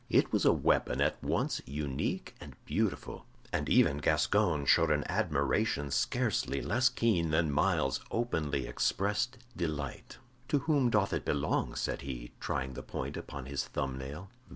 It was a weapon at once unique and beautiful, and even Gascoyne showed an admiration scarcely less keen than Myles's openly expressed delight. "To whom doth it belong?" said he, trying the point upon his thumb nail.